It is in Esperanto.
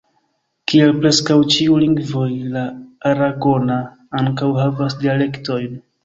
Kiel preskaŭ ĉiuj lingvoj, la aragona ankaŭ havas dialektojn.